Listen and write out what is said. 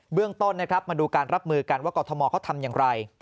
เบื้องต้นมาดูการรับมือการว่ากฏมเขาทำอย่างไร